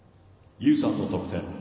ユさんの得点。